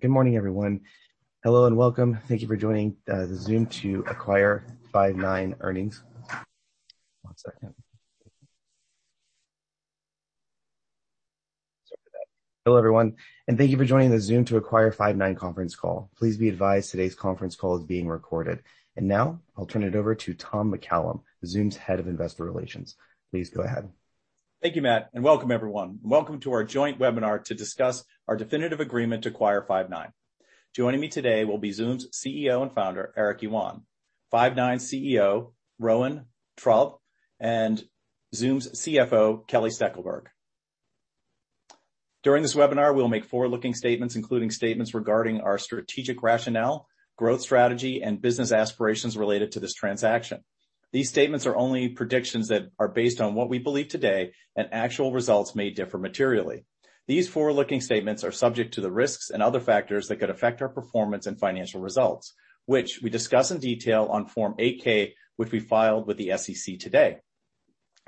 Good morning, everyone. Hello, and welcome. Thank you for joining the Zoom to Acquire Five9 Earnings. One second. Sorry for that. Hello, everyone, and thank you for joining the Zoom to Acquire Five9 conference call. Please be advised today's conference call is being recorded. Now I'll turn it over to Tom McCallum, Zoom's Head of Investor Relations. Please go ahead. Thank you, Matt. Welcome everyone. Welcome to our joint webinar to discuss our definitive agreement to acquire Five9. Joining me today will be Zoom's CEO and Founder, Eric Yuan, Five9's CEO, Rowan Trollope, and Zoom's CFO, Kelly Steckelberg. During this webinar, we'll make forward-looking statements, including statements regarding our strategic rationale, growth strategy, and business aspirations related to this transaction. These statements are only predictions that are based on what we believe today. Actual results may differ materially. These forward-looking statements are subject to the risks and other factors that could affect our performance and financial results, which we discuss in detail on Form 8-K, which we filed with the SEC today.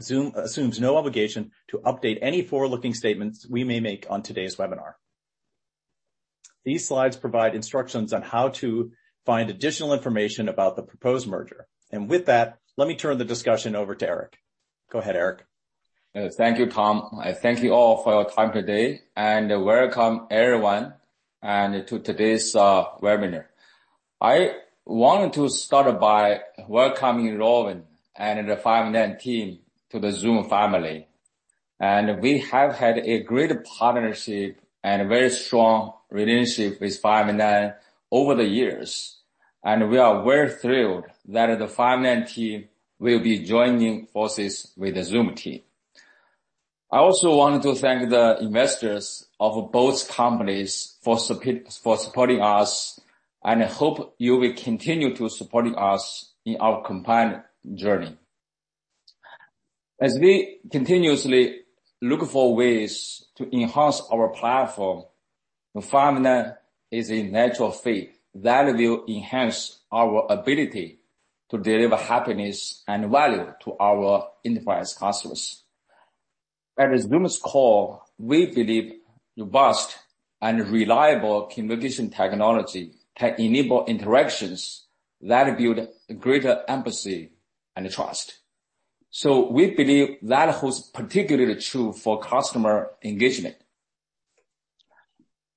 Zoom assumes no obligation to update any forward-looking statements we may make on today's webinar. These slides provide instructions on how to find additional information about the proposed merger. With that, let me turn the discussion over to Eric. Go ahead, Eric. Thank you, Tom. Thank you all for your time today. Welcome everyone to today's webinar. I want to start by welcoming Rowan and the Five9 team to the Zoom family. We have had a great partnership and a very strong relationship with Five9 over the years. We are very thrilled that the Five9 team will be joining forces with the Zoom team. I also want to thank the investors of both companies for supporting us. I hope you will continue to support us in our combined journey. As we continuously look for ways to enhance our platform, Five9 is a natural fit that will enhance our ability to deliver happiness and value to our enterprise customers. At Zoom's core, we believe robust and reliable communication technology can enable interactions that build greater empathy and trust. We believe that holds particularly true for customer engagement.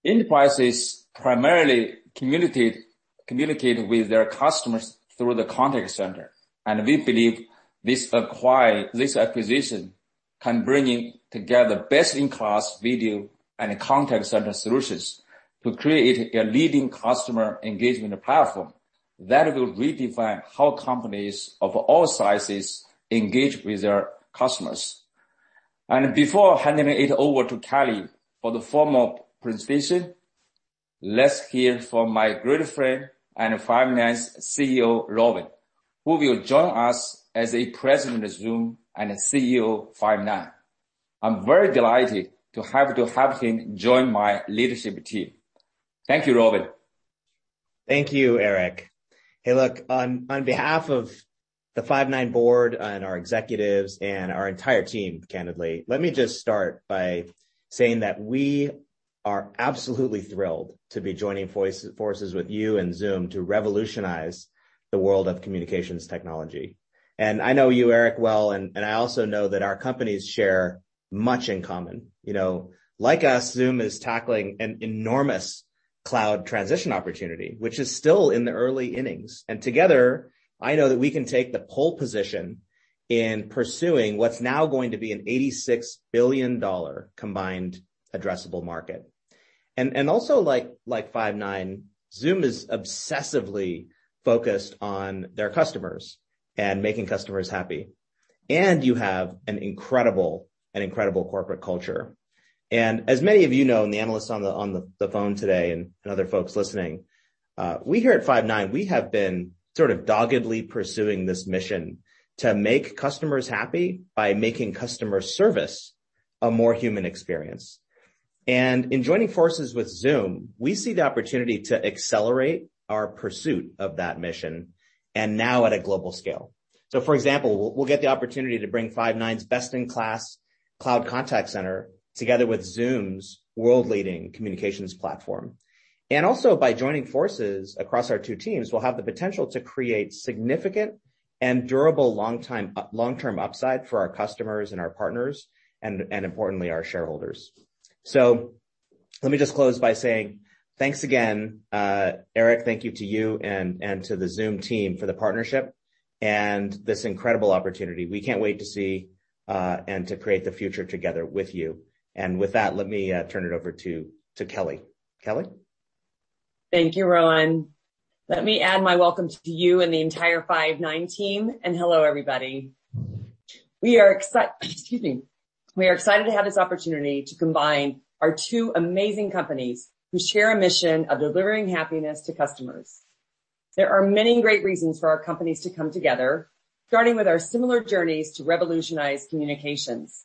Enterprises primarily communicate with their customers through the contact center, and we believe this acquisition can bring together best-in-class video and contact center solutions to create a leading customer engagement platform that will redefine how companies of all sizes engage with their customers. Before handing it over to Kelly for the formal presentation, let's hear from my great friend and Five9's CEO, Rowan, who will join us as a President of Zoom and CEO of Five9. I'm very delighted to have him join my leadership team. Thank you, Rowan. Thank you, Eric. Hey, look, on behalf of the Five9 board and our executives and our entire team, candidly, let me just start by saying that we are absolutely thrilled to be joining forces with you and Zoom to revolutionize the world of communications technology. I know you, Eric, well, and I also know that our companies share much in common. Like us, Zoom is tackling an enormous cloud transition opportunity, which is still in the early innings. Together, I know that we can take the pole position in pursuing what's now going to be an $86 billion combined addressable market. Also like Five9, Zoom is obsessively focused on their customers and making customers happy. You have an incredible corporate culture. As many of you know, and the analysts on the phone today and other folks listening, we here at Five9, we have been sort of doggedly pursuing this mission to make customers happy by making customer service a more human experience. In joining forces with Zoom, we see the opportunity to accelerate our pursuit of that mission, and now at a global scale. For example, we'll get the opportunity to bring Five9's best-in-class cloud contact center together with Zoom's world leading communications platform. Also by joining forces across our two teams, we'll have the potential to create significant and durable long-term upside for our customers and our partners and, importantly, our shareholders. Let me just close by saying thanks again, Eric. Thank you to you and to the Zoom team for the partnership and this incredible opportunity. We can't wait to see, and to create the future together with you. With that, let me turn it over to Kelly. Kelly? Thank you, Rowan. Let me add my welcome to you and the entire Five9 team. Hello, everybody. We are excited to have this opportunity to combine our two amazing companies who share a mission of delivering happiness to customers. There are many great reasons for our companies to come together, starting with our similar journeys to revolutionize communications.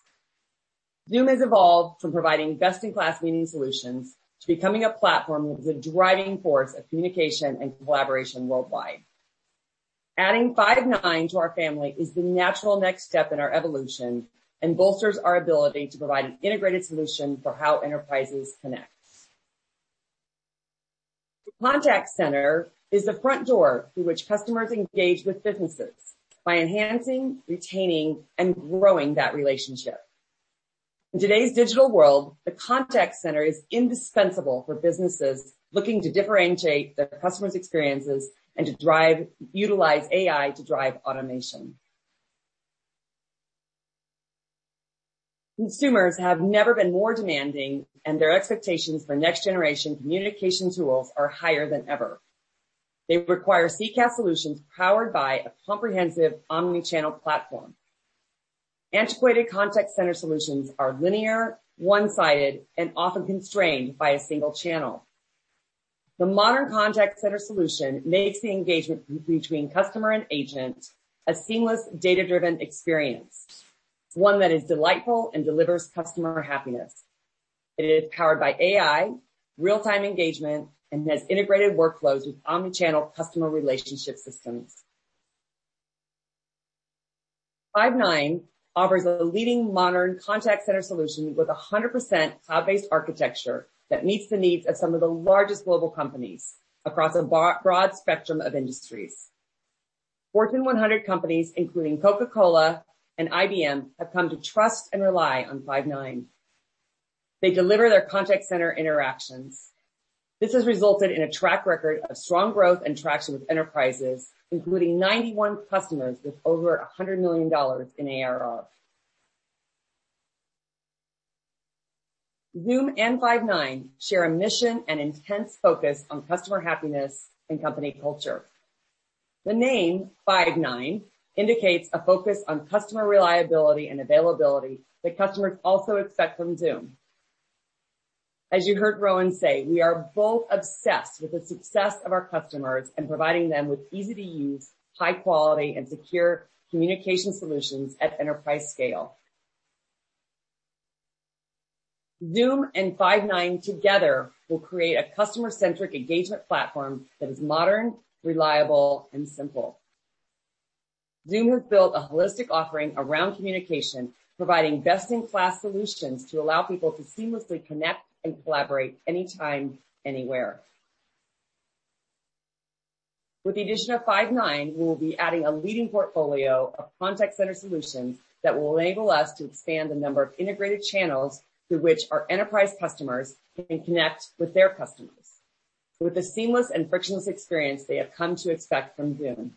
Zoom has evolved from providing best-in-class meeting solutions to becoming a platform that is a driving force of communication and collaboration worldwide. Adding Five9 to our family is the natural next step in our evolution and bolsters our ability to provide an integrated solution for how enterprises connect. The contact center is the front door through which customers engage with businesses by enhancing, retaining, and growing that relationship. In today's digital world, the contact center is indispensable for businesses looking to differentiate their customers' experiences and to utilize AI to drive automation. Consumers have never been more demanding, and their expectations for next-generation communication tools are higher than ever. They require CCaaS solutions powered by a comprehensive omni-channel platform. Antiquated contact center solutions are linear, one-sided, and often constrained by a single channel. The modern contact center solution makes the engagement between customer and agent a seamless, data-driven experience, one that is delightful and delivers customer happiness. It is powered by AI, real-time engagement, and has integrated workflows with omni-channel customer relationship systems. Five9 offers a leading modern contact center solution with 100% cloud-based architecture that meets the needs of some of the largest global companies across a broad spectrum of industries. Fortune 100 companies, including Coca-Cola and IBM, have come to trust and rely on Five9. They deliver their contact center interactions. This has resulted in a track record of strong growth and traction with enterprises, including 91 customers with over $100 million in ARR. Zoom and Five9 share a mission and intense focus on customer happiness and company culture. The name Five9 indicates a focus on customer reliability and availability that customers also expect from Zoom. As you heard Rowan say, we are both obsessed with the success of our customers and providing them with easy-to-use, high-quality, and secure communication solutions at enterprise scale. Zoom and Five9 together will create a customer-centric engagement platform that is modern, reliable, and simple. Zoom has built a holistic offering around communication, providing best-in-class solutions to allow people to seamlessly connect and collaborate anytime, anywhere. With the addition of Five9, we will be adding a leading portfolio of contact center solutions that will enable us to expand the number of integrated channels through which our enterprise customers can connect with their customers with the seamless and frictionless experience they have come to expect from Zoom.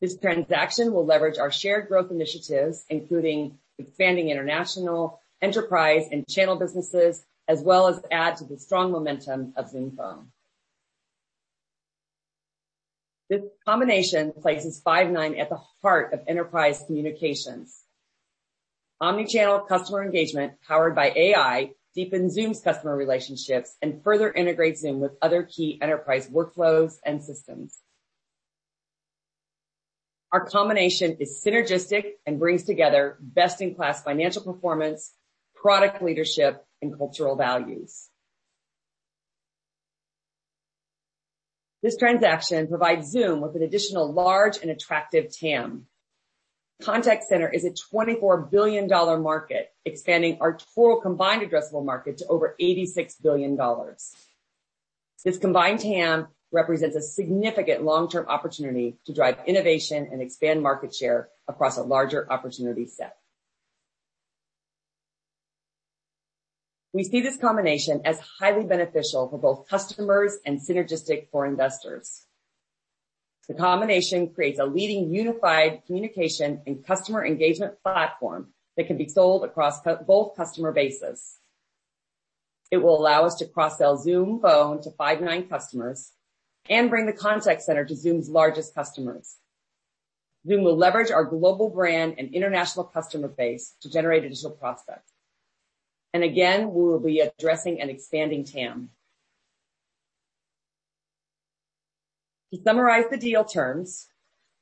This transaction will leverage our shared growth initiatives, including expanding international, enterprise, and channel businesses, as well as add to the strong momentum of Zoom Phone. This combination places Five9 at the heart of enterprise communications. Omni-channel customer engagement powered by AI deepens Zoom's customer relationships and further integrates Zoom with other key enterprise workflows and systems. Our combination is synergistic and brings together best-in-class financial performance, product leadership, and cultural values. This transaction provides Zoom with an additional large and attractive TAM. Contact center is a $24 billion market, expanding our total combined addressable market to over $86 billion. This combined TAM represents a significant long-term opportunity to drive innovation and expand market share across a larger opportunity set. We see this combination as highly beneficial for both customers and synergistic for investors. The combination creates a leading unified communication and customer engagement platform that can be sold across both customer bases. It will allow us to cross-sell Zoom Phone to Five9 customers and bring the contact center to Zoom's largest customers. Zoom will leverage our global brand and international customer base to generate additional prospects. Again, we will be addressing an expanding TAM. To summarize the deal terms,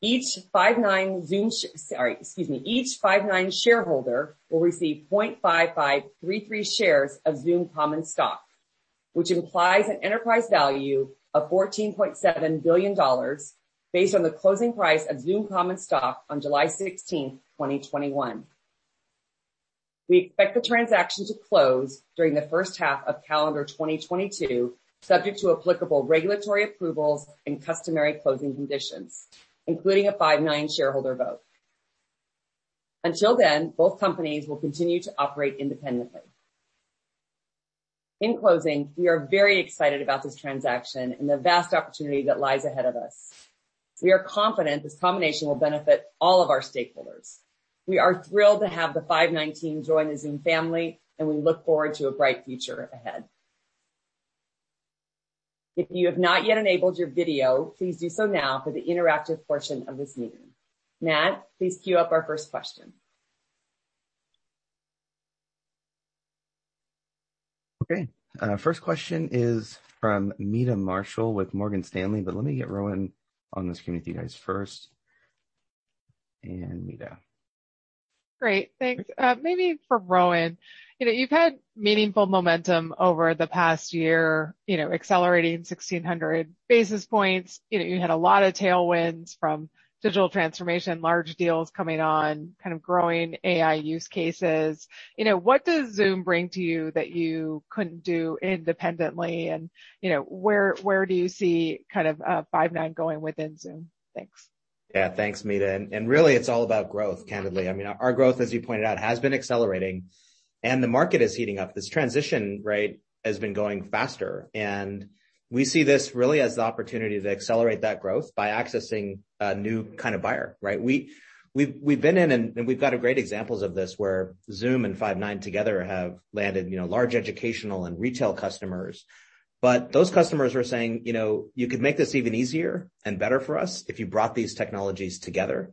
each Five9 shareholder will receive 0.5533 shares of Zoom common stock, which implies an enterprise value of $14.7 billion based on the closing price of Zoom common stock on July 16th, 2021. We expect the transaction to close during the first half of calendar 2022, subject to applicable regulatory approvals and customary closing conditions, including a Five9 shareholder vote. Until then, both companies will continue to operate independently. In closing, we are very excited about this transaction and the vast opportunity that lies ahead of us. We are confident this combination will benefit all of our stakeholders. We are thrilled to have the Five9 team join the Zoom family, and we look forward to a bright future ahead. If you have not yet enabled your video, please do so now for the interactive portion of this meeting. Matt, please queue up our first question. Okay. First question is from Meta Marshall with Morgan Stanley. Let me get Rowan on the screen with you guys first. Meta. Great, thanks. Maybe for Rowan. You've had meaningful momentum over the past year, accelerating 1,600 basis points. You had a lot of tailwinds from digital transformation, large deals coming on, growing AI use cases. What does Zoom bring to you that you couldn't do independently, and where do you see Five9 going within Zoom? Thanks. Yeah, thanks, Meta Marshall. Really, it's all about growth, candidly. I mean, our growth, as you pointed out, has been accelerating, and the market is heating up. This transition has been going faster. We see this really as the opportunity to accelerate that growth by accessing a new kind of buyer, right? We've been in, and we've got great examples of this, where Zoom and Five9 together have landed large educational and retail customers. Those customers are saying, "You could make this even easier and better for us if you brought these technologies together."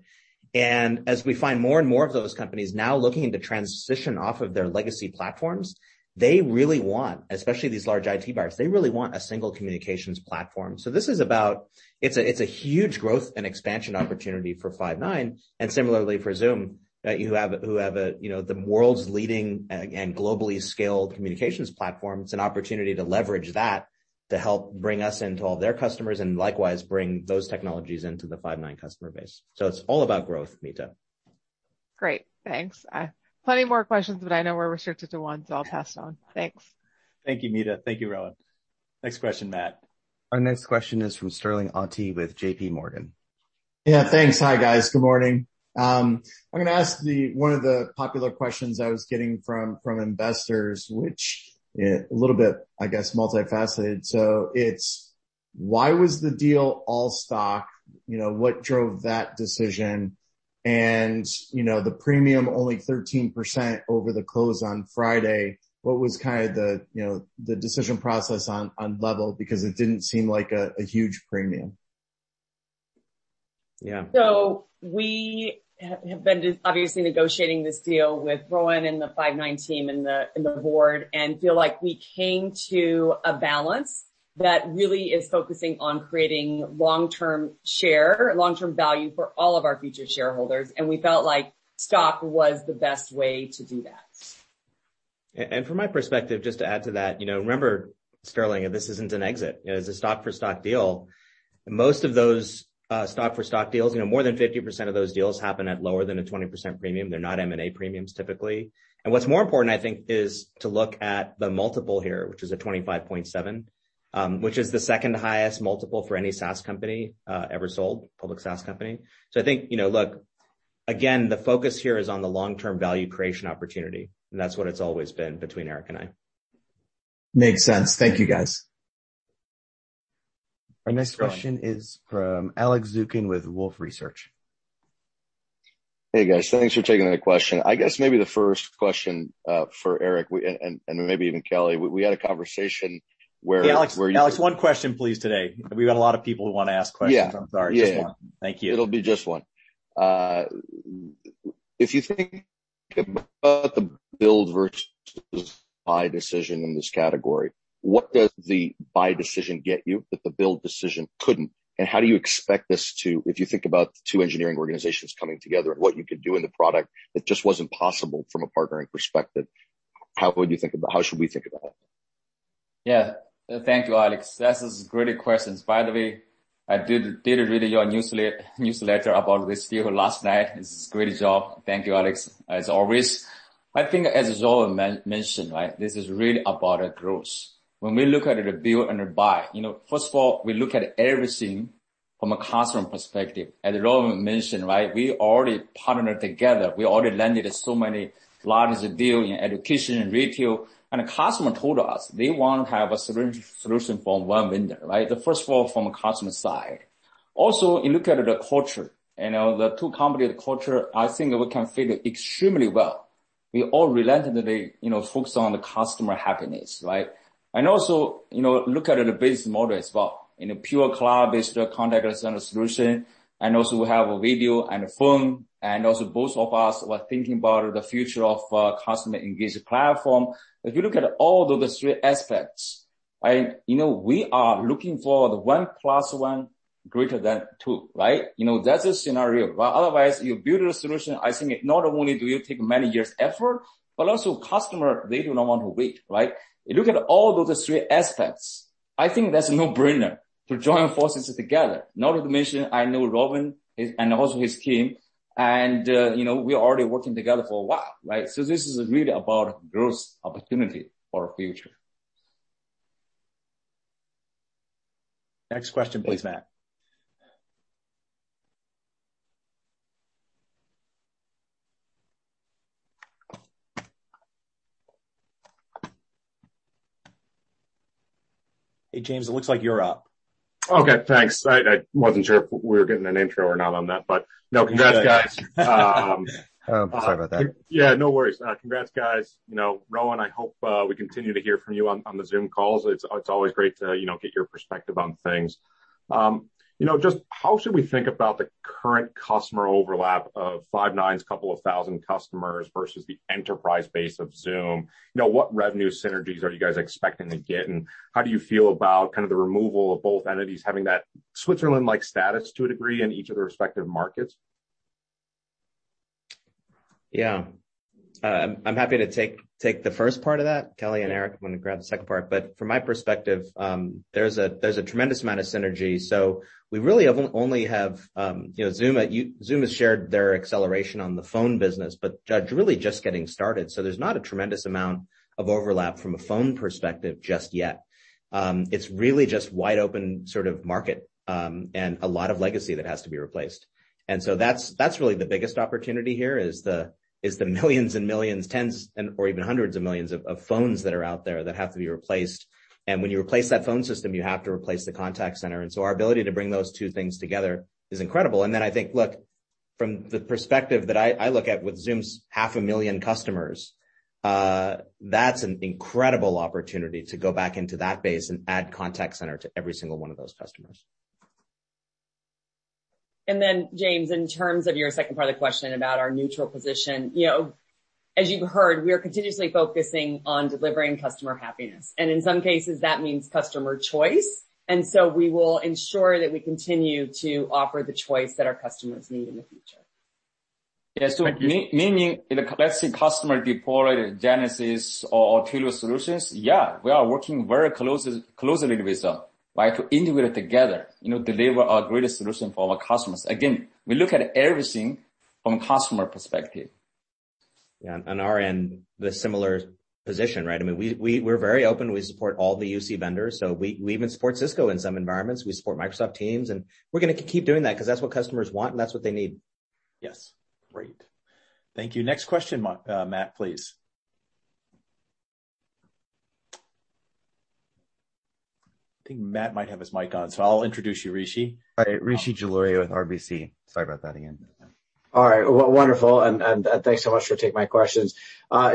As we find more and more of those companies now looking to transition off of their legacy platforms, they really want, especially these large IT buyers, they really want a single communications platform. This is about, it's a huge growth and expansion opportunity for Five9 and similarly for Zoom, who have the world's leading and globally scaled communications platform. It's an opportunity to leverage that to help bring us into all their customers and likewise bring those technologies into the Five9 customer base. It's all about growth, Meta. Great, thanks. Plenty more questions, but I know we're restricted to one, so I'll pass it on. Thanks. Thank you, Meta. Thank you, Rowan. Next question, Matt. Our next question is from Sterling Auty with J.P. Morgan. Yeah, thanks. Hi, guys. Good morning. I'm going to ask one of the popular questions I was getting from investors, which is a little bit, I guess, multifaceted. It's, why was the deal all stock? What drove that decision? The premium only 13% over the close on Friday. What was the decision process on level, because it didn't seem like a huge premium? Yeah. We have been obviously negotiating this deal with Rowan and the Five9 team and the board and feel like we came to a balance that really is focusing on creating long-term share, long-term value for all of our future shareholders, and we felt like stock was the best way to do that. From my perspective, just to add to that, remember, Sterling, this isn't an exit. It's a stock-for-stock deal. Most of those stock-for-stock deals, more than 50% of those deals happen at lower than a 20% premium. They're not M&A premiums typically. What's more important, I think, is to look at the multiple here, which is a 25.7, which is the second highest multiple for any SaaS company ever sold, public SaaS company. I think, look, again, the focus here is on the long-term value creation opportunity, and that's what it's always been between Eric and I. Makes sense. Thank you, guys. Our next question is from Alex Zukin with Wolfe Research. Hey, guys. Thanks for taking the question. I guess maybe the first question for Eric, and maybe even Kelly, we had a conversation where. Yeah, Alex, one question please today. We've got a lot of people who want to ask questions. Yeah. I'm sorry. Just one. Thank you. It'll be just one. If you think about the build versus buy decision in this category, what does the buy decision get you that the build decision couldn't? How do you expect this to, if you think about the two engineering organizations coming together and what you could do in the product that just wasn't possible from a partnering perspective, how should we think about that? Yeah. Thank you, Alex. That's a great question. By the way, I did read your newsletter about this deal last night. It's a great job. Thank you, Alex, as always. I think as Rowan mentioned, this is really about growth. When we look at the build and the buy, first of all, we look at everything from a customer perspective. As Rowan mentioned, we already partnered together. We already landed so many large deals in education and retail. The customer told us they want to have a solution from one vendor. First of all, from a customer side. You look at the culture, the two company culture, I think we can fit extremely well. We all relentlessly focus on the customer happiness. Look at the business model as well. In a pure cloud-based contact center solution, we have a video and a phone. Both of us were thinking about the future of customer engagement platform. If you look at all those three aspects, we are looking for the 1 + 1 greater than two, right? That's a scenario. Otherwise, you build a solution, I think not only do you take many years' effort, but also customer, they do not want to wait, right? You look at all those three aspects. I think that's a no-brainer to join forces together. Not to mention, I know Rowan, his team, we're already working together for a while. This is really about growth opportunity for future. Next question please, Matt. Hey, James, it looks like you're up. Okay, thanks. I wasn't sure if we were getting an intro or not on that, but no, congrats, guys. Oh, sorry about that. Yeah, no worries. Congrats, guys. Rowan, I hope we continue to hear from you on the Zoom calls. It's always great to get your perspective on things. Just how should we think about the current customer overlap of Five9's couple of 1,000 customers versus the enterprise base of Zoom? What revenue synergies are you guys expecting to get, and how do you feel about the removal of both entities having that Switzerland-like status to a degree in each of their respective markets? Yeah. I'm happy to take the first part of that. Kelly and Eric want to grab the second part. From my perspective, there's a tremendous amount of synergy. We really only have Zoom has shared their acceleration on the Zoom Phone business, but really just getting started. There's not a tremendous amount of overlap from a phone perspective just yet. It's really just wide open sort of market, and a lot of legacy that has to be replaced. That's really the biggest opportunity here is the millions and millions, 10s or even 100s of millions of phones that are out there that have to be replaced. When you replace that phone system, you have to replace the contact center. Our ability to bring those two things together is incredible. I think, look, from the perspective that I look at with Zoom's half a million customers, that's an incredible opportunity to go back into that base and add contact center to every single one of those customers. James, in terms of your second part of the question about our neutral position. As you've heard, we are continuously focusing on delivering customer happiness, and in some cases, that means customer choice. So we will ensure that we continue to offer the choice that our customers need in the future. Yeah. Meaning, let's say customer deploy Genesys or Twilio solutions, yeah, we are working very closely with them, right? To integrate together, deliver our greatest solution for our customers. Again, we look at everything from customer perspective. Yeah. On our end, the similar position, right? I mean, we're very open. We support all the UC vendors. We even support Cisco in some environments. We support Microsoft Teams, we're going to keep doing that because that's what customers want, and that's what they need. Yes. Great. Thank you. Next question, Matt, please. I think Matt might have his mic on, so I'll introduce you, Rishi. Hi. Rishi Jaluria with RBC. Sorry about that again. All right. Wonderful. Thanks so much for taking my questions.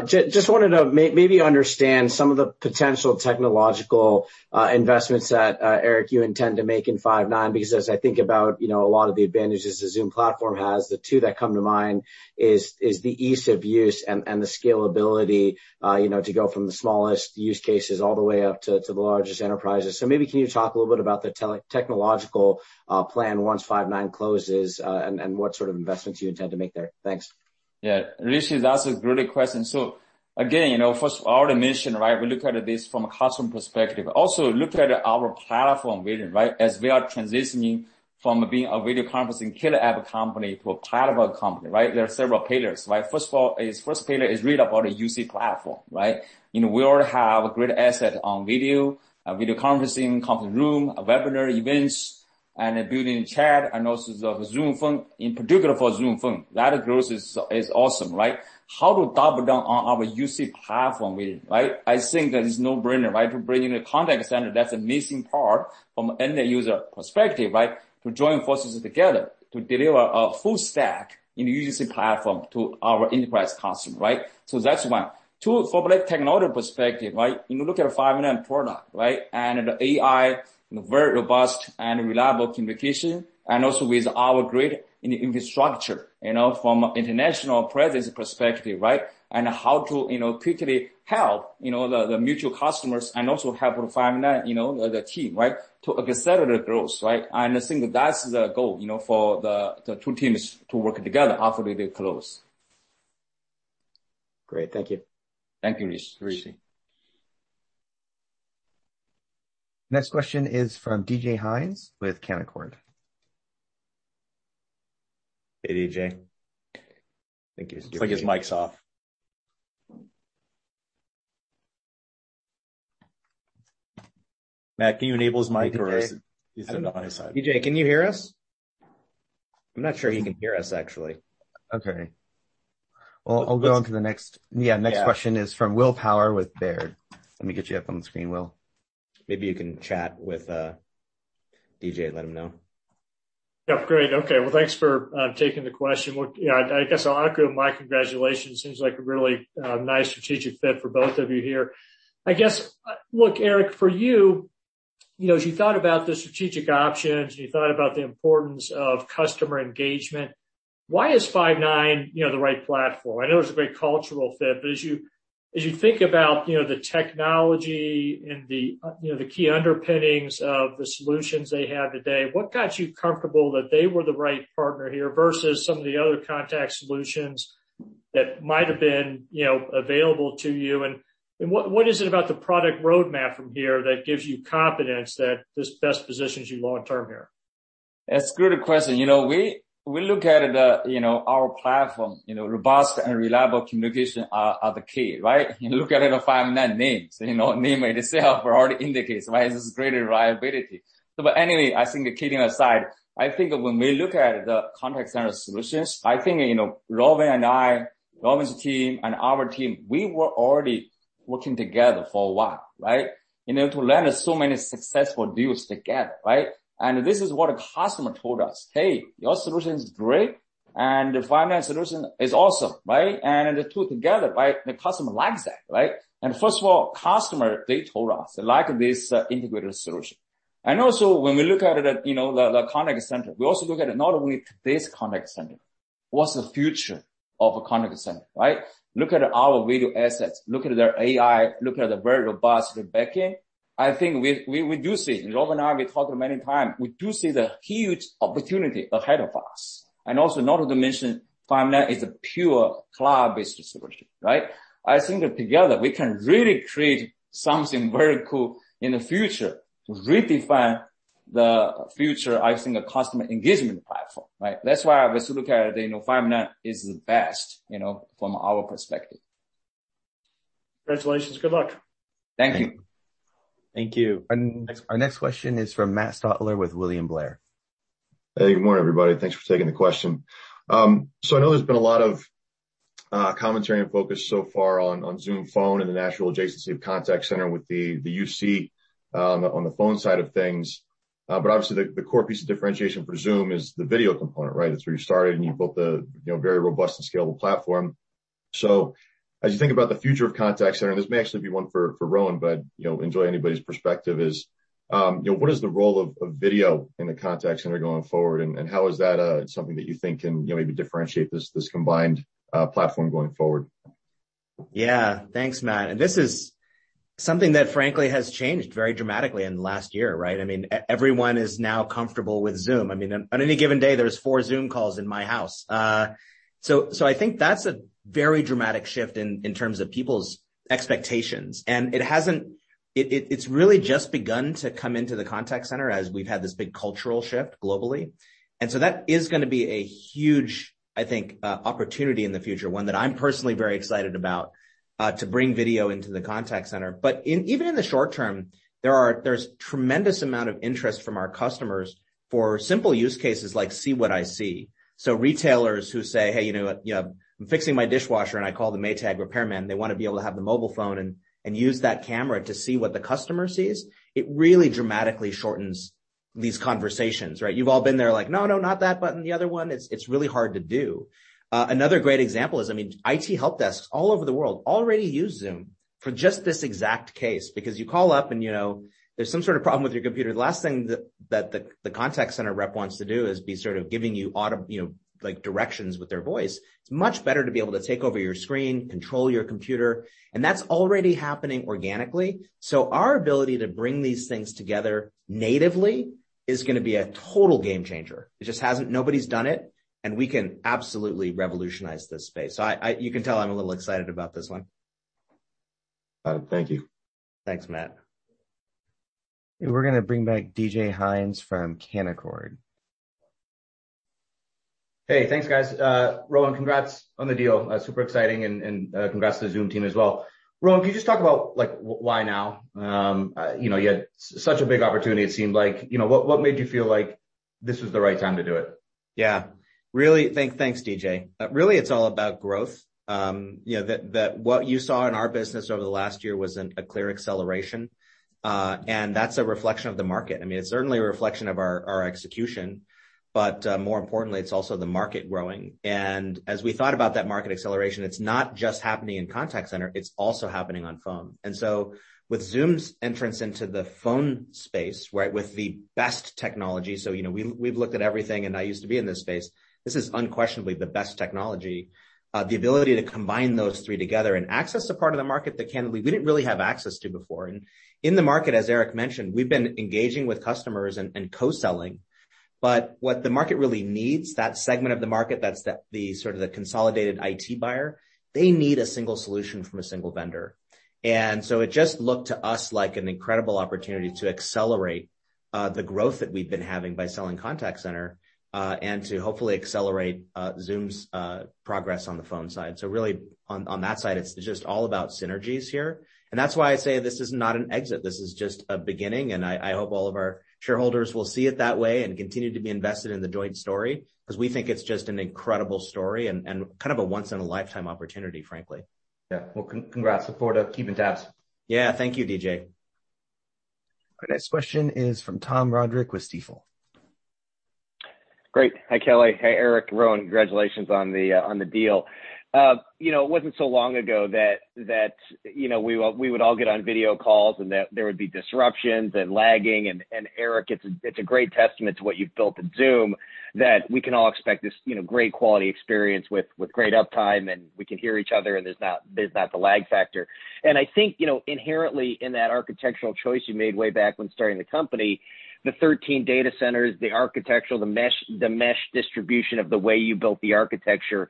Just wanted to maybe understand some of the potential technological investments that, Eric, you intend to make in Five9, because as I think about a lot of the advantages the Zoom platform has, the two that come to mind is the ease of use and the scalability to go from the smallest use cases all the way up to the largest enterprises. Maybe can you talk a little bit about the technological plan once Five9 closes, what sort of investments you intend to make there? Thanks. Yeah. Rishi, that's a great question. Again, first, I already mentioned, right? We look at this from a customer perspective, also look at our platform vision, right? As we are transitioning from being a video conferencing killer app company to a platform company, right? There are several pillars, right? First pillar is really about a UC platform, right? We already have great asset on video conferencing, conference room, webinar events, and building chat, and also the Zoom Phone. In particular for Zoom Phone, that growth is awesome, right? How to double down on our UC platform vision, right? I think that it's no-brainer, right? To bring in a contact center that's a missing part from end user perspective, right? To join forces together to deliver a full stack in UC platform to our enterprise customer, right? That's one. Two, from a technology perspective, right? You look at Five9 product, right? AI, very robust and reliable communication, and also with our great infrastructure from international presence perspective, right? How to quickly help the mutual customers and also help Five9, the team, right to accelerate growth, right? I think that's the goal for the two teams to work together after they close. Great. Thank you. Thank you, Rishi. Next question is from DJ Hynes with Canaccord. Hey, DJ. Looks like his mic's off. Matt, can you enable his mic or is it on his side? DJ, can you hear us? I'm not sure he can hear us, actually. Okay. Well, I'll go on to the next. Yeah, next question is from Will Power with Baird. Let me get you up on the screen, Will. Maybe you can chat with DJ, let him know. Yep, great. Okay. Well, thanks for taking the question. I guess I'll echo my congratulations. Seems like a really nice strategic fit for both of you here. I guess, look, Eric, for you, as you thought about the strategic options and you thought about the importance of customer engagement, why is Five9 the right platform? I know it's a great cultural fit, but as you think about the technology and the key underpinnings of the solutions they have today, what got you comfortable that they were the right partner here versus some of the other contact solutions that might have been available to you? What is it about the product roadmap from here that gives you confidence that this best positions you long term here? That's a great question. We look at our platform, robust and reliable communication are the key, right? You look at Five9 names, name itself already indicates, right? This is great reliability. Anyway, I think kidding aside, I think when we look at the contact center solutions, I think Rowan and I, Rowan's team and our team, we were already working together for a while, right? To land so many successful deals together, right? This is what a customer told us, "Hey, your solution is great, and Five9 solution is awesome," right? The two together, right? The customer likes that, right? First of all, customer, they told us they like this integrated solution. Also, when we look at the contact center, we also look at not only this contact center, what's the future of a contact center, right? Look at our video assets, look at their AI, look at the very robust backend. I think we do see, Rowan and I, we talked many times, we do see the huge opportunity ahead of us, also not to mention Five9 is a pure cloud-based solution. I think that together we can really create something very cool in the future to redefine the future, I think, a customer engagement platform. That's why we still look at Five9 is the best, from our perspective. Congratulations. Good luck. Thank you. Thank you. Our next question is from Matt Stotler with William Blair. Hey, good morning, everybody. Thanks for taking the question. I know there's been a lot of commentary and focus so far on Zoom Phone and the natural adjacency of contact center with the UC on the phone side of things. Obviously the core piece of differentiation for Zoom is the video component, right? That's where you started, and you built the very robust and scalable platform. As you think about the future of contact center, and this may actually be one for Rowan, but enjoy anybody's perspective is, what is the role of video in the contact center going forward, and how is that something that you think can maybe differentiate this combined platform going forward? Yeah. Thanks, Matt. This is something that frankly has changed very dramatically in the last year, right? I mean, everyone is now comfortable with Zoom. I mean, on any given day, there's four Zoom calls in my house. I think that's a very dramatic shift in terms of people's expectations. It's really just begun to come into the contact center as we've had this big cultural shift globally. That is going to be a huge, I think, opportunity in the future, one that I'm personally very excited about, to bring video into the contact center. Even in the short term, there's tremendous amount of interest from our customers for simple use cases like see what I see. Retailers who say, "Hey, I'm fixing my dishwasher," and I call the Maytag repairman, they want to be able to have the mobile phone and use that camera to see what the customer sees. It really dramatically shortens these conversations, right? You've all been there like, "No, no, not that button, the other one." It's really hard to do. Another great example is, I mean, IT help desks all over the world already use Zoom for just this exact case. You call up and there's some sort of problem with your computer. The last thing that the contact center rep wants to do is be sort of giving you directions with their voice. It's much better to be able to take over your screen, control your computer, and that's already happening organically. Our ability to bring these things together natively is going to be a total game changer. Nobody's done it, and we can absolutely revolutionize this space. You can tell I'm a little excited about this one. Thank you. Thanks, Matt. We're going to bring back DJ Hynes from Canaccord. Hey, thanks, guys. Rowan, congrats on the deal. Super exciting. Congrats to the Zoom team as well. Rowan, could you just talk about why now? You had such a big opportunity it seemed like. What made you feel like this was the right time to do it? Yeah. Thanks, DJ. Really, it's all about growth. That what you saw in our business over the last year was a clear acceleration, and that's a reflection of the market. I mean, it's certainly a reflection of our execution, more importantly, it's also the market growing. As we thought about that market acceleration, it's not just happening in contact center, it's also happening on phone. With Zoom's entrance into the phone space, with the best technology, we've looked at everything and I used to be in this space. This is unquestionably the best technology. The ability to combine those three together and access a part of the market that candidly, we didn't really have access to before. In the market, as Eric mentioned, we've been engaging with customers and co-selling. What the market really needs, that segment of the market, that's the sort of the consolidated IT buyer, they need a single solution from a single vendor. It just looked to us like an incredible opportunity to accelerate the growth that we've been having by selling contact center, and to hopefully accelerate Zoom's progress on the phone side. Really on that side, it's just all about synergies here. That's why I say this is not an exit, this is just a beginning, and I hope all of our shareholders will see it that way and continue to be invested in the joint story, because we think it's just an incredible story and kind of a once in a lifetime opportunity, frankly. Yeah. Well, congrats. Look forward to keeping tabs. Yeah. Thank you, DJ. Our next question is from Tom Roderick with Stifel. Great. Hi, Kelly. Hey, Eric, Rowan. Congratulations on the deal. It wasn't so long ago that we would all get on video calls, there would be disruptions and lagging, Eric, it's a great testament to what you've built at Zoom that we can all expect this great quality experience with great uptime, we can hear each other, there's not the lag factor. I think inherently in that architectural choice you made way back when starting the company, the 13 data centers, the architectural, the mesh distribution of the way you built the architecture,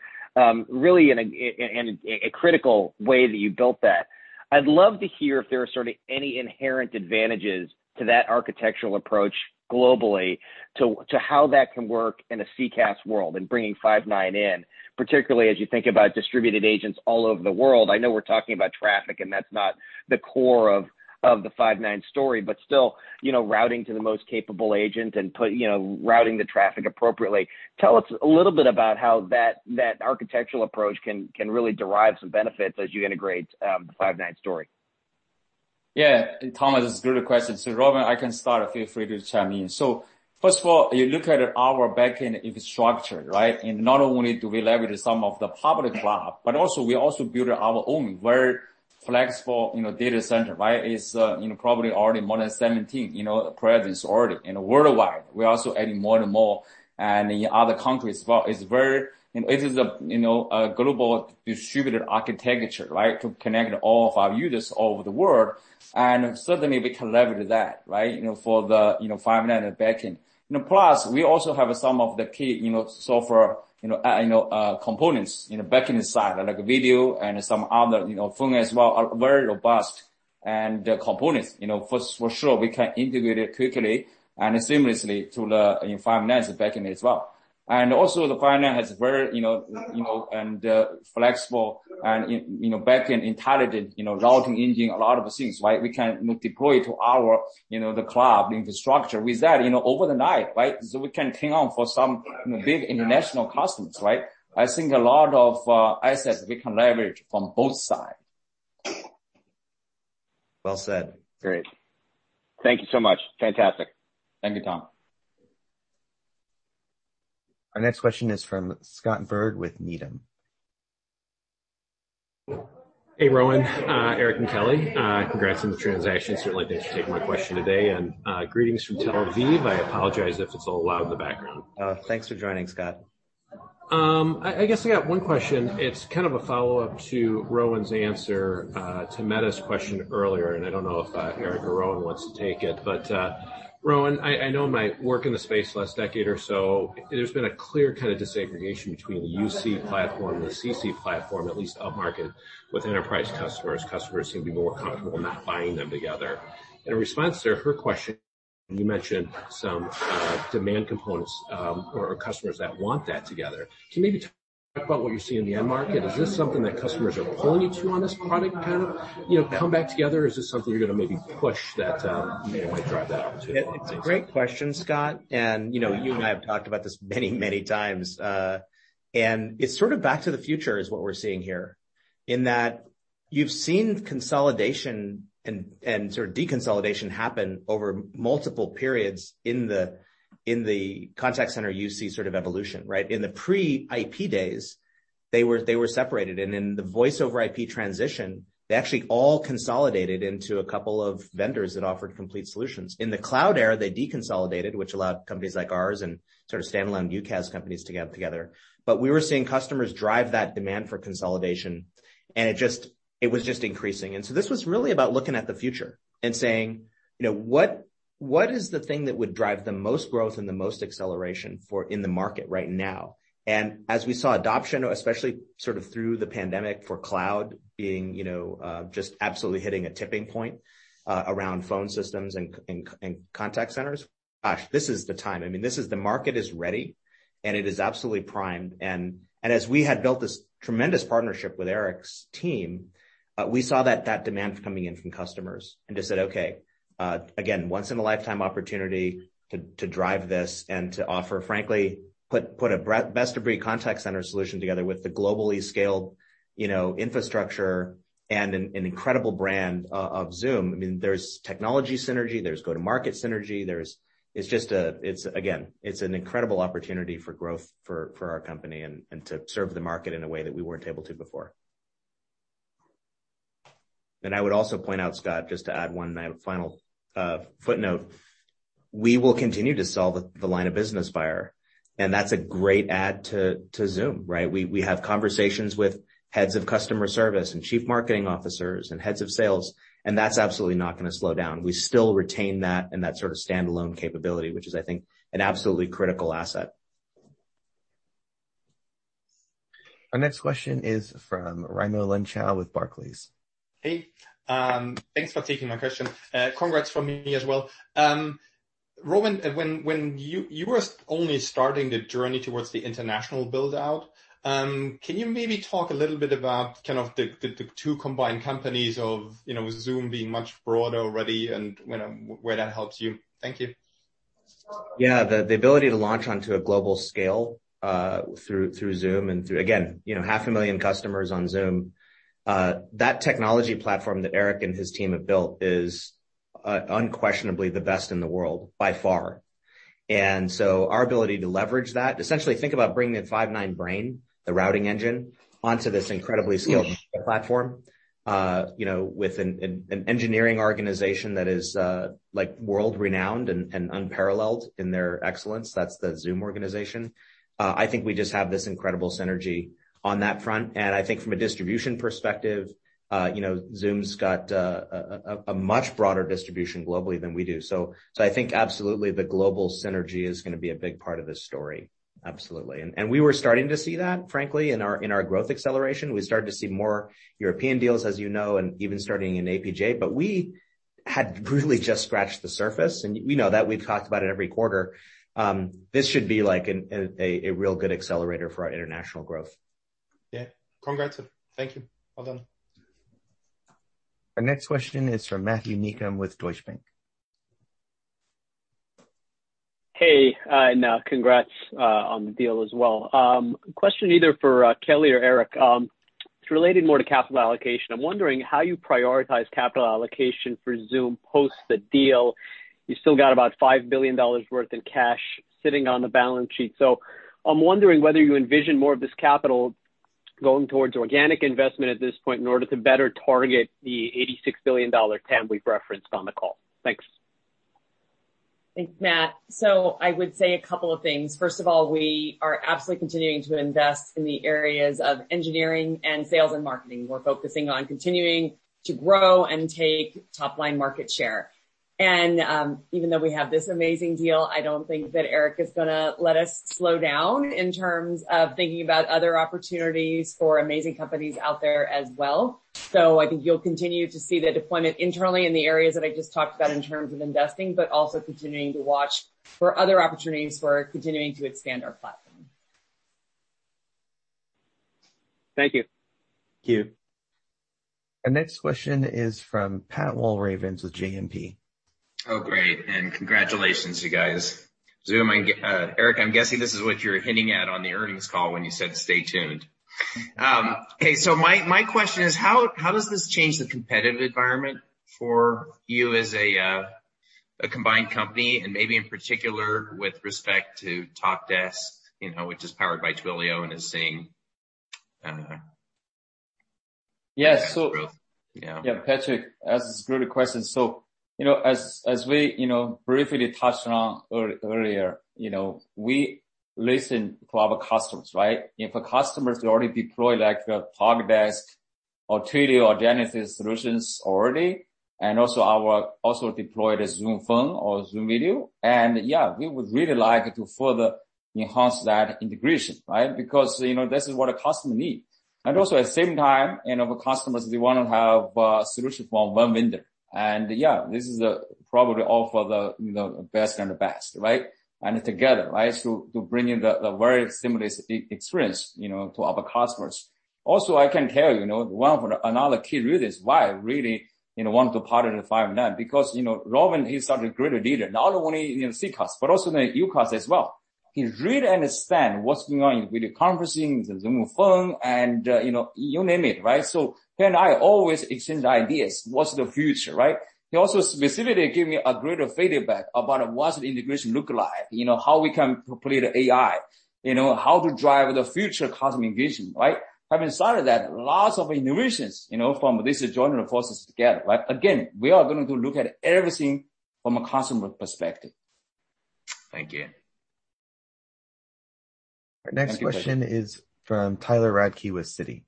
really in a critical way that you built that. I'd love to hear if there are sort of any inherent advantages to that architectural approach globally to how that can work in a CCaaS world and bringing Five9 in, particularly as you think about distributed agents all over the world. I know we're talking about traffic, and that's not the core of the Five9 story, but still routing to the most capable agent and routing the traffic appropriately. Tell us a little bit about how that architectural approach can really derive some benefits as you integrate the Five9 story. Yeah. Tom, that's a good question. Rowan, I can start. Feel free to chime in. First of all, you look at our backend infrastructure. Not only do we leverage some of the public cloud, but also we also build our own very flexible data center. It's probably already more than 17 presence worldwide. We're also adding more and more in other countries as well. It is a global distributed architecture to connect all of our users all over the world. Certainly we leverage that for the Five9 backend. Plus we also have some of the key software components in the backend side, like video and some other phone as well, are very robust And the components, for sure we can integrate it quickly and seamlessly to the Five9 backend as well. Also the Five9 has very flexible and backend intelligent routing engine, a lot of things, right? We can deploy to our cloud infrastructure with that over the night, right? We can carry on for some big international customers, right? I think a lot of assets we can leverage from both sides. Well said. Great. Thank you so much. Fantastic. Thank you, Tom. Our next question is from Scott Berg with Needham. Hey, Rowan, Eric, and Kelly. Congrats on the transaction. Certainly thanks for taking my question today, and greetings from Tel Aviv. I apologize if it's a little loud in the background. Thanks for joining, Scott. I guess I got one question. It's kind of a follow-up to Rowan's answer to Meta's question earlier. I don't know if Eric or Rowan wants to take it. Rowan, I know my work in the space the last decade or so, there's been a clear kind of disaggregation between the UC platform and the CC platform, at least upmarket with enterprise customers. Customers seem to be more comfortable not buying them together. In response to her question, you mentioned some demand components or customers that want that together. Can you maybe talk about what you see in the end market? Is this something that customers are pulling you to on this product, kind of come back together, or is this something you're going to maybe push that might drive that opportunity? It's a great question, Scott, and you and I have talked about this many times. It's sort of back to the future is what we're seeing here, in that you've seen consolidation and sort of deconsolidation happen over multiple periods in the contact center UC sort of evolution, right? In the pre-IP days, they were separated. In the voice-over IP transition, they actually all consolidated into a couple of vendors that offered complete solutions. In the cloud era, they deconsolidated, which allowed companies like ours and sort of standalone UCaaS companies to get together. We were seeing customers drive that demand for consolidation, and it was just increasing. This was really about looking at the future and saying, "What is the thing that would drive the most growth and the most acceleration in the market right now?" As we saw adoption, especially sort of through the pandemic for cloud being just absolutely hitting a tipping point around phone systems and contact centers, gosh, this is the time. The market is ready, and it is absolutely primed. As we had built this tremendous partnership with Eric's team, we saw that demand coming in from customers and just said, "Okay," again, once in a lifetime opportunity to drive this and to offer, frankly, put a best-of-breed contact center solution together with the globally scaled infrastructure and an incredible brand of Zoom. There's technology synergy, there's go-to-market synergy. It's an incredible opportunity for growth for our company and to serve the market in a way that we weren't able to before. I would also point out, Scott, just to add one final footnote, we will continue to sell the line of business buyer, and that's a great add to Zoom, right? We have conversations with heads of customer service and chief marketing officers and heads of sales, that's absolutely not going to slow down. We still retain that and that sort of standalone capability, which is, I think, an absolutely critical asset. Our next question is from Raimo Lenschow with Barclays. Hey. Thanks for taking my question. Congrats from me as well. Rowan, when you were only starting the journey towards the international build-out, can you maybe talk a little bit about the two combined companies of Zoom being much broader already and where that helps you? Thank you. Yeah. The ability to launch onto a global scale through Zoom and through, again, half a million customers on Zoom. That technology platform that Eric and his team have built is unquestionably the best in the world by far. Our ability to leverage that, essentially think about bringing the Five9 brain, the routing engine, onto this incredibly scaled platform with an engineering organization that is world-renowned and unparalleled in their excellence. That's the Zoom organization. I think we just have this incredible synergy on that front. I think from a distribution perspective Zoom's got a much broader distribution globally than we do. I think absolutely the global synergy is going to be a big part of this story. Absolutely. We were starting to see that, frankly, in our growth acceleration. We started to see more European deals, as you know, and even starting in APJ. We had really just scratched the surface, and we know that. We've talked about it every quarter. This should be a real good accelerator for our international growth. Yeah. Congrats. Thank you. Well done. Our next question is from Matthew Niknam with Deutsche Bank. Hey, congrats on the deal as well. Question either for Kelly or Eric. It's relating more to capital allocation. I'm wondering how you prioritize capital allocation for Zoom post the deal. You still got about $5 billion worth in cash sitting on the balance sheet. I'm wondering whether you envision more of this capital going towards organic investment at this point in order to better target the $86 billion TAM we've referenced on the call. Thanks. Thanks, Matt. I would say a couple of things. First of all, we are absolutely continuing to invest in the areas of engineering and sales and marketing. We're focusing on continuing to grow and take top-line market share. Even though we have this amazing deal, I don't think that Eric is going to let us slow down in terms of thinking about other opportunities for amazing companies out there as well. I think you'll continue to see the deployment internally in the areas that I just talked about in terms of investing, but also continuing to watch for other opportunities for continuing to expand our platform. Thank you. Thank you. Our next question is from Pat Walravens with JMP. Oh, great, and congratulations you guys. Eric, I'm guessing this is what you were hinting at on the earnings call when you said stay tuned. My question is, how does this change the competitive environment for you as a combined company, and maybe in particular, with respect to Talkdesk, which is powered by Twilio and is seeing I don't know? Yes. Growth. Yeah. Pat, that's a really good question. As we briefly touched on earlier, we listen to our customers, right? If a customer's already deployed Talkdesk or Twilio or Genesys solutions already, also deployed Zoom Phone or Zoom Video, yeah, we would really like to further enhance that integration, right? This is what a customer needs. Also, at the same time, our customers, they want to have a solution from one vendor. Yeah, this is probably offer the best of the best, right? Together to bring in the very similar experience to our customers. Also, I can tell you, one of another key reasons why I really want to partner with Five9 because Rowan, he's such a great leader, not only in CCaaS, but also in UCaaS as well. He really understands what's going on with the conferencing, the Zoom Phone, and you name it, right? He and I always exchange ideas, what's the future, right? He also specifically gave me a great feedback about what's the integration look like, how we can deploy the AI, how to drive the future customer engagement, right? Having said that, lots of innovations from this joining forces together, right? Again, we are going to look at everything from a customer perspective. Thank you. Our next question is from Tyler Radke with Citi.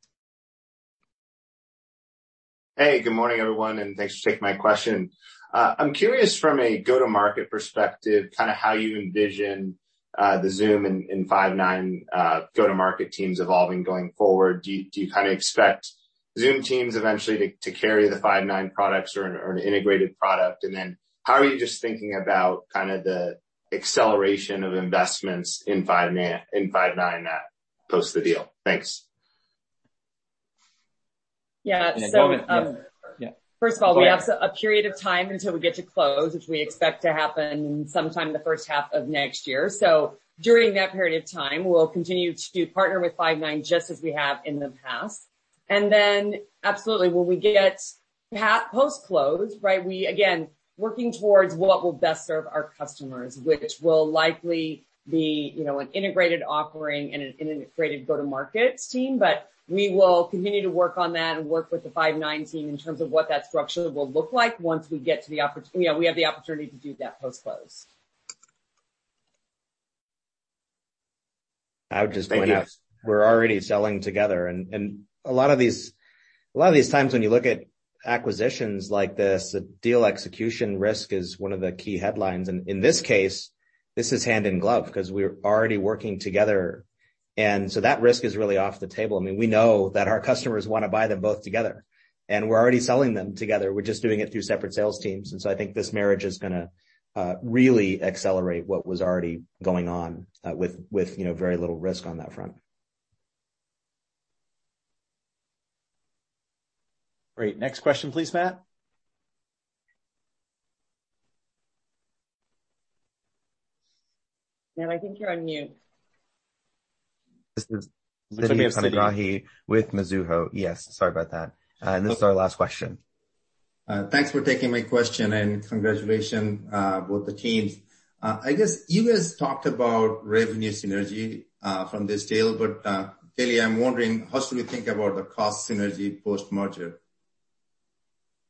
Hey, good morning, everyone, and thanks for taking my question. I'm curious from a go-to-market perspective, how you envision the Zoom and Five9 go-to-market teams evolving going forward. Do you expect Zoom teams eventually to carry the Five9 products or an integrated product? How are you just thinking about the acceleration of investments in Five9 post the deal? Thanks. Yeah. Rowan, yeah. First of all, we have a period of time until we get to close, which we expect to happen sometime the first half of next year. During that period of time, we'll continue to partner with Five9 just as we have in the past. Absolutely, when we get post-close, we again, working towards what will best serve our customers, which will likely be an integrated offering and an integrated go-to-market team. We will continue to work on that and work with the Five9 team in terms of what that structure will look like once we have the opportunity to do that post-close. I would just point out, we're already selling together, and a lot of these times when you look at acquisitions like this, the deal execution risk is one of the key headlines. In this case, this is hand in glove because we're already working together. That risk is really off the table. We know that our customers want to buy them both together, and we're already selling them together. We're just doing it through separate sales teams. I think this marriage is going to really accelerate what was already going on, with very little risk on that front. Great. Next question, please, Matt. Matt, I think you're on mute. This is Sitikantha Panigrahi with Mizuho. Yes, sorry about that. This is our last question. Thanks for taking my question, and congratulations both the teams. I guess you guys talked about revenue synergy from this deal, but Kelly, I'm wondering, how should we think about the cost synergy post-merger?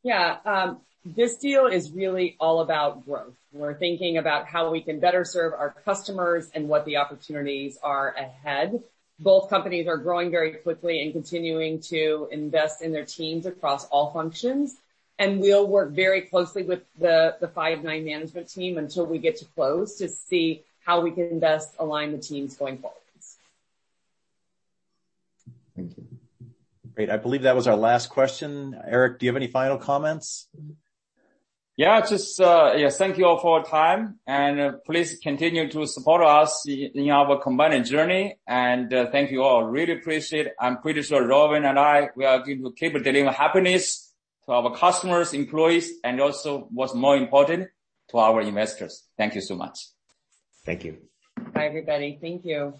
Yeah. This deal is really all about growth. We're thinking about how we can better serve our customers and what the opportunities are ahead. Both companies are growing very quickly and continuing to invest in their teams across all functions, and we'll work very closely with the Five9 management team until we get to close to see how we can best align the teams going forward. Thank you. Great. I believe that was our last question. Eric, do you have any final comments? Thank you all for your time. Please continue to support us in our combined journey. Thank you all. I really appreciate. I'm pretty sure Rowan and I, we are going to keep delivering happiness to our customers, employees, and also what's more important, to our investors. Thank you so much. Thank you. Bye, everybody. Thank you.